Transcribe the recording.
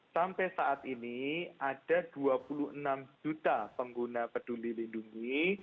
sampai saat ini ada dua puluh enam juta pengguna peduli lindungi